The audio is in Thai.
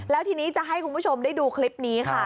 แล้วทีนี้จะให้คุณผู้ชมได้ดูคลิปนี้ค่ะ